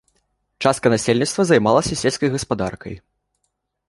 Частка насельніцтва займалася сельскай гаспадаркай.